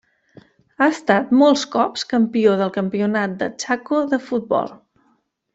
Ha estat molts cops campió del campionat de Chaco de futbol.